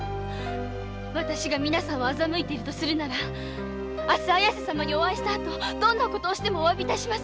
私が欺いているのなら明日綾瀬様にお会いしたあとどんな事をしてもお詫びします。